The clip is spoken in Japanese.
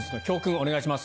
お願いします